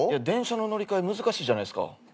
電車の乗り換え難しいじゃないっすか。